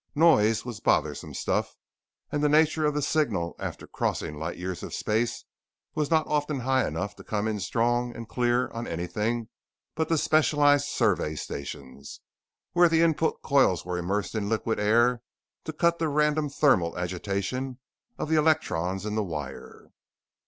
Noise was bothersome stuff, and the nature of the signal after crossing light years of space was not often high enough to come in strong and clear on anything but the specialized Survey Stations, where the input coils were immersed in liquid air to cut the random thermal agitation of the electrons in the wire.